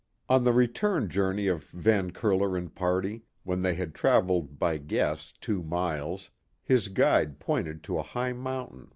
On the return journey of Van Curler and party, when they had travelled by guess (?) two miles, his guide pointed to a high mountain